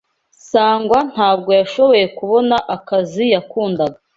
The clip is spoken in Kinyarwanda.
Sangwa ntabwo yashoboye kubona akazi yakundaga.